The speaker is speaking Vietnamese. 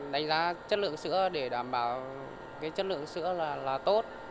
đánh giá chất lượng sữa để đảm bảo chất lượng sữa là tốt